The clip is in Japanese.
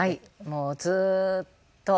もうずっと。